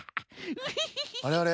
あれ？